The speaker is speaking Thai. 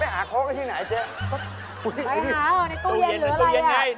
ไปหาในตู้เย็นหรือไร